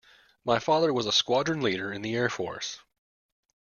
My father was a Squadron Leader in the Air Force